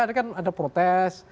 ada kan ada protes